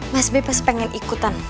mas by pas pengen ikutan